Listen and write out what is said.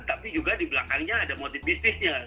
tapi juga di belakangnya ada motif bisnisnya